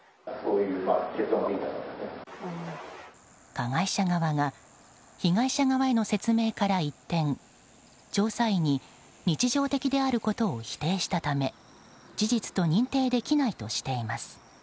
加害者側が被害者側への説明から一転調査委に日常的であることを否定したため事実と認定できないとしています。